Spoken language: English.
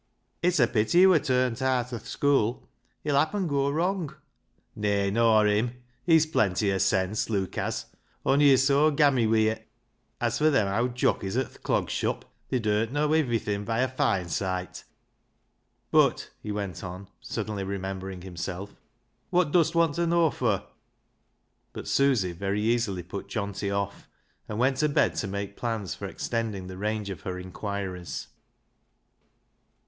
" It's a pity he wur turnt aat o' th' schoo' ; he'll happen goa wrung." " Nay, nor him. He's plenty o' sense, Luke has, on'y he's so gammy wi' it. As for them owd jockeys at th' Clog Shop, they durn't know 76 BECKSIDE LIGHTS ivvery thing by a foine soight. ]]ut," he went on, suddenly remembering himself, " what dust want ta know fur ?" Jiut Susy very easily put Johnty off, and went to bed to make plans for extending the range of her inquiries.